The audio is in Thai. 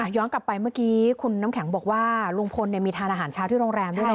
ย้อนกลับไปเมื่อกี้คุณน้ำแข็งบอกว่าลุงพลมีทานอาหารเช้าที่โรงแรมด้วยนะ